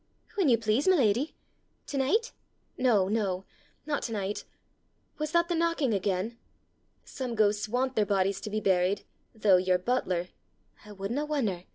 "When you please, my lady. To night?" "No, no! not to night. Was that the knocking again? Some ghosts want their bodies to be buried, though your butler " "I wouldna wonder!"